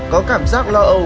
có cảm giác lo âu